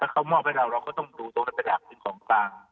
ถ้าเขามอบให้เราเราก็ต้องดูตรงสดับของต่าง